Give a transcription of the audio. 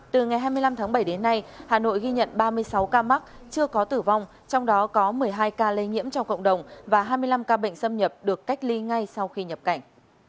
từ ngày hai mươi năm tháng bảy đến nay hà nội ghi nhận ba mươi sáu ca mắc chưa có tử vong trong đó có một mươi hai ca lây nhiễm trong cộng đồng và hai mươi năm ca bệnh xâm nhập được cách ly ngay sau khi nhập cảnh